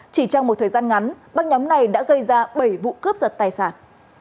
chỉ trong một thời gian ngắn băng nhóm này đã gây ra bảy vụ cướp giật tài sản